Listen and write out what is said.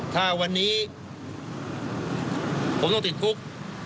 ถ้าวันนี้ผมต้องติดคุก